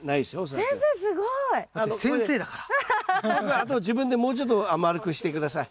あと自分でもうちょっと丸くして下さい。